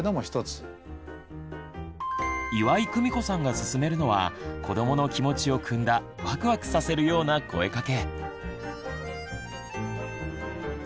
岩井久美子さんがすすめるのは子どもの気持ちをくんだワクワクさせるような声かけ。